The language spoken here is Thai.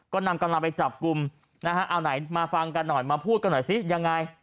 ก็นำกำลังไปจับกลุ่มนะฮะเอาไหนมาฟังกันหน่อยมาพูดกันหน่อยสิยังไง